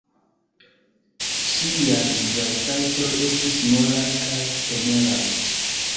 Ŝiaj vizaĝtrajtoj estis molaj kaj teneraj.